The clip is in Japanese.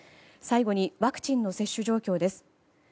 最後にワクチンの接種状況です。